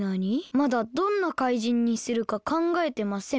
「まだどんなかいじんにするかかんがえてません。